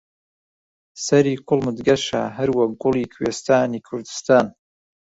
سەری کوڵمت گەشە هەروەک گوڵی کوێستانی کوردستان